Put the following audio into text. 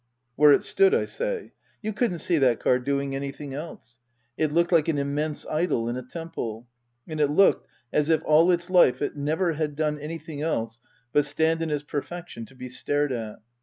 Where it stood, I say. You couldn't see that car doing anything else. It stood like an immense idol in a temple ; and it looked as if all its life it never had done anything else but stand in its perfection to be stared at.